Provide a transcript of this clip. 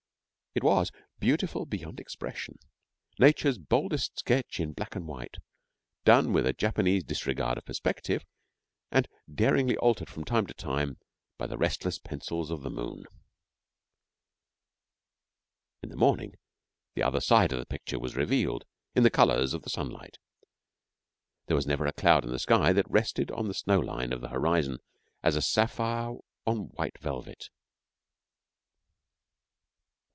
It was beautiful beyond expression, Nature's boldest sketch in black and white, done with a Japanese disregard of perspective, and daringly altered from time to time by the restless pencils of the moon. In the morning the other side of the picture was revealed in the colours of the sunlight. There was never a cloud in the sky that rested on the snow line of the horizon as a sapphire on white velvet.